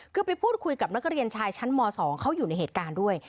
คือไปพูดคุยกับนักเรียนชายชั้นม๒เขาอยู่ในเหตุการณ์ด้วย